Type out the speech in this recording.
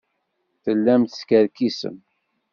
Tellam teskerkisem.